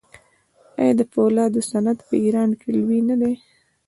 آیا د فولادو صنعت په ایران کې لوی نه دی؟